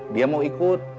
dia mau ikut